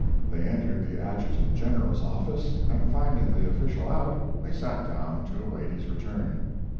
They entered the Ad jutant General s office, and finding the official out, they sat down to await his return.